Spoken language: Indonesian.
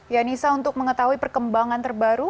yanisa untuk mengetahui perkembangan terbaru